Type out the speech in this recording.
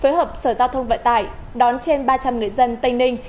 phối hợp sở giao thông vận tải đón trên ba trăm linh người dân tây ninh